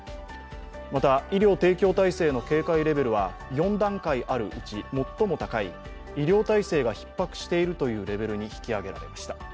また、医療提供体制の警戒レベルは４段階あるうち最も高い、医療体制がひっ迫しているというレベルに引き上げられました。